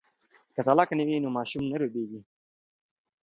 که طلاق نه وي نو ماشوم نه روبیږي.